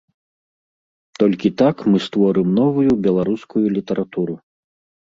Толькі так мы створым новую беларускую літаратуру.